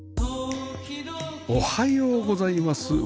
おはようございます。